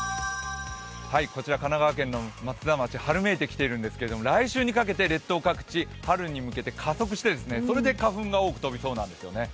こちら神奈川県松田町、春めいているんですけど来週にかけて列島各地、春に向けて加速して、それで花粉が多く飛びそうなんですよね。